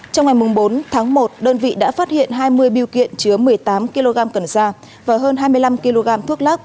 trong ngày bốn tháng một đơn vị đã phát hiện hai mươi biêu kiện chứa một mươi tám kg cần sa và hơn hai mươi năm kg thuốc lắc